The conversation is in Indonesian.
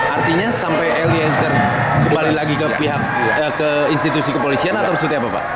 artinya sampai eliezer kembali lagi ke pihak ke institusi kepolisian atau seperti apa pak